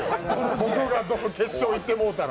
僕が決勝行ってもうたら。